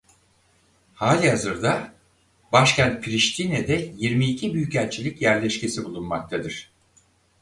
Hâlihazırda başkent Priştine'de yirmi iki büyükelçilik yerleşkesi bulunmaktadır.